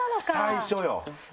最初よ。